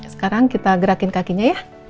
sekarang kita gerakin kakinya ya